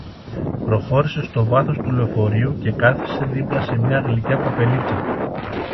Προχώρησε στο βάθος του λεωφορείου και κάθισε δίπλα σε μία γλυκιά κοπελίτσα